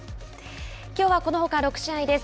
きょうは、このほか６試合です。